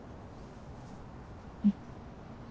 うん。